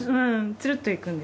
ツルっといくんで。